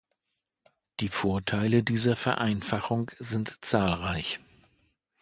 Die Vorteile dieser Vereinfachung sind zahlreich.